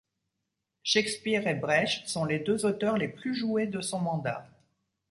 Shakespeare et Brecht sont les deux auteurs les plus joués de son mandat.